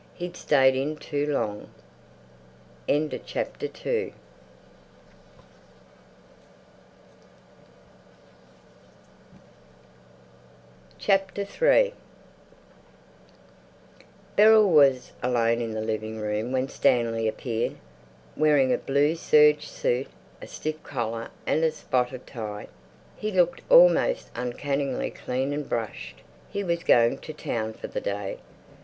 He'd stayed in too long. III Beryl was alone in the living room when Stanley appeared, wearing a blue serge suit, a stiff collar and a spotted tie. He looked almost uncannily clean and brushed; he was going to town for the day.